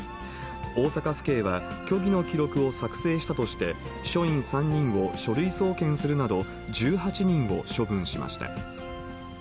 大阪府警は、虚偽の記録を作成したとして、署員３人を書類送検するなど、１８人を処分しました。